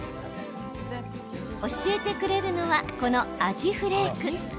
教えてくれるのはこのアジフレーク。